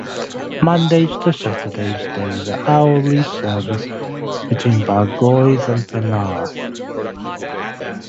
Mondays to Saturdays there is an hourly service between Bargoed and Penarth.